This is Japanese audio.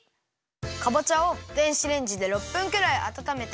かぼちゃを電子レンジで６分くらいあたためて。